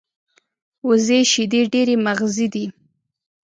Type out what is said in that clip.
وزې شیدې ډېرې مغذي دي